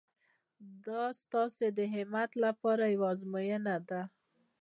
دا ستاسو د همت لپاره یوه ازموینه ده.